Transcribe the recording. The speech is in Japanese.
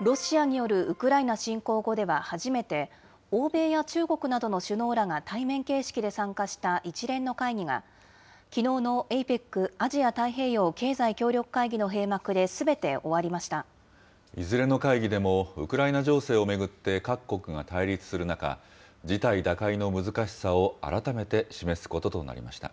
ロシアによるウクライナ侵攻後では初めて、欧米や中国などの首脳らが対面形式で参加した一連の会議が、きのうのＡＰＥＣ・アジア太平洋経済協力会議の閉幕ですべて終わいずれの会議でもウクライナ情勢を巡って各国が対立する中、事態打開の難しさを改めて示すこととなりました。